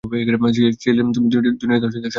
চেয়েছিলাম তুমি দুনিয়াটা শান্তিতে ত্যাগ করো।